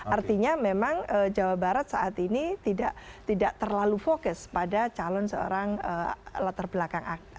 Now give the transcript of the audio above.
artinya memang jawa barat saat ini tidak terlalu fokus pada calon seorang latar belakang